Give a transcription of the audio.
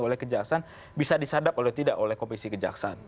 oleh kejaksaan bisa disadap oleh tidak oleh komisi kejaksaan